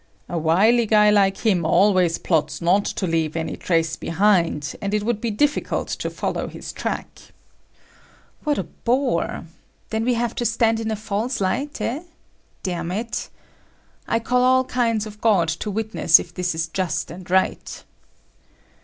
"A wily guy like him always plots not to leave any trace behind, and it would be difficult to follow his track." "What a bore! Then we have to stand in a false light, eh? Damn it! I call all kinds of god to witness if this is just and right!"